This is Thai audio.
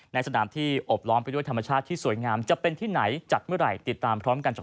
ในสนามที่โอบร้อนไปด้วยธรรมชาติที่สวยงาม